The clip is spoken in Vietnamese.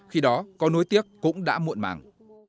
khi đó có nối tiếc cũng đã muộn mảng